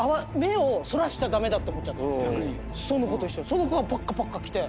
その子がパッカパッカ来て。